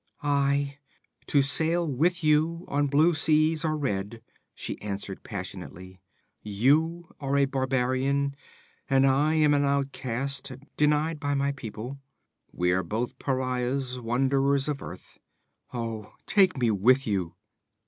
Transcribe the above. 'Aye, to sail with you on blue seas or red,' she answered passionately. 'You are a barbarian, and I am an outcast, denied by my people. We are both pariahs, wanderers of earth. Oh, take me with you!'